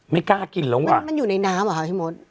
ไม่กล้ากินแล้วว่ะมันอยู่ในน้ำเหรอคะพี่มด